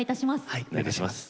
はいお願いします。